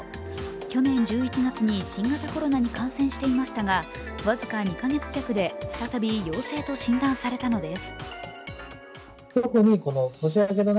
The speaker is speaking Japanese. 去年１１月に新型コロナに感染していましたが、僅か２か月弱で再び陽性と診断されたのです。